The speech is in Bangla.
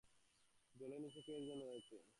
জলের নীচে কেউ একজন রয়েছে।